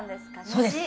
そうです。